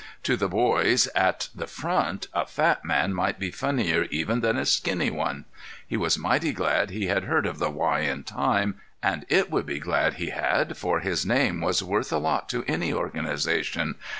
To the boys at the front a fat man might be funnier even than a skinny one. He was mighty glad he had heard of the Y in time. And it would be glad he had, for his name was worth a lot to any organization.